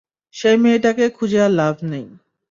সেই মেয়েটাকে খুঁজে আর লাভ নেই।